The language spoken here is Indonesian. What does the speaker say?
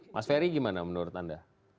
mas ferry gimana menurut anda